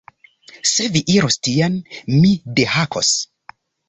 Se vi irus tien, mi dehakos